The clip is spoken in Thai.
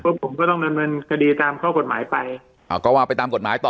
ผมก็ต้องดำเนินคดีตามข้อกฎหมายไปอ่าก็ว่าไปตามกฎหมายต่อ